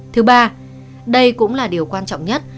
thứ ba đây cũng là điều quan trọng nhất